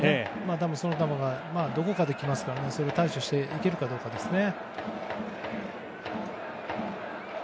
多分その球がどこかできますからそれに対処していけるかどうかですね。